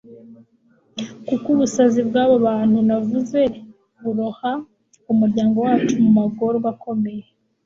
kuko ubusazi bw'abo bantu navuze buroha umuryango wacu mu magorwa akomeye